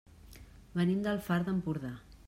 Venim del Far d'Empordà.